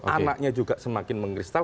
anaknya juga semakin mengkristal